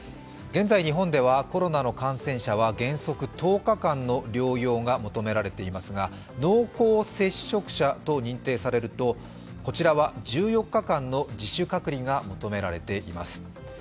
現在日本ではコロナの感染者は原則１０日間の療養が求められていますが濃厚接触者と認定されると１４日間の自主隔離が求められています。